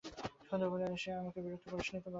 সন্ধেবেলায় এসে আপনাদের তো বিরক্ত করি নি রসিকবাবু?